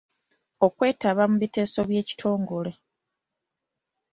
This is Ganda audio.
Okwetaba mu biteeso by'ekitongole.